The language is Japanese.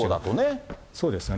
そうですよね。